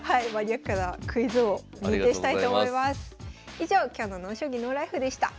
以上今日の「ＮＯ将棋ＮＯＬＩＦＥ」でした。